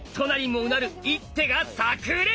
もうなる一手がさく裂！